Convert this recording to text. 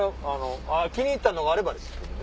気に入ったのがあればですけどね。